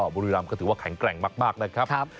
บุรีรำก็ถือว่าแข็งแกร่งมากนะครับ